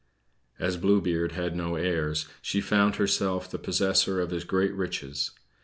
As Blue Beard had no heirs, she found herself the possessor of his great riches.